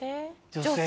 女性？